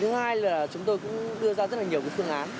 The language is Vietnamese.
thứ hai là chúng tôi cũng đưa ra rất là nhiều phương án